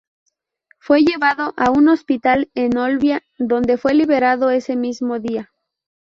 Fue llevado a un hospital en Olbia, donde fue liberado ese mismo día.